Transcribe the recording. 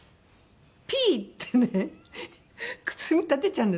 ピッ！ってね爪立てちゃうんですよ。